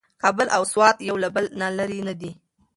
کابل او سوات یو له بل نه لرې نه دي.